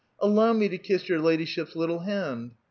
'' Allow me to kiss your ladyship's little hand